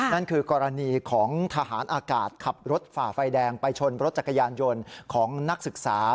นั่นคือกรณีของทหารอากาศขับรถฝ่าไฟแดงไปชนรถจักรยานยนต์ของนักศึกษา